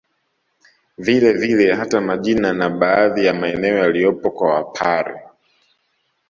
Vile vile hata majina na baadhi ya maeneo yaliyopo kwa Wapare